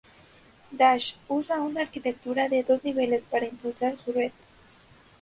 Dash usa una arquitectura de dos niveles para impulsar su red.